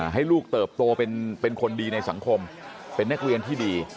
ให้ลูกเติบโตเป็นคนดีในสังคมเป็นนักเรียนที่ดี